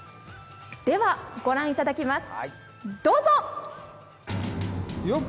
では、御覧いただきます、どうぞ！